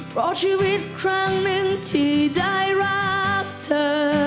เพราะชีวิตครั้งหนึ่งที่ได้รักเธอ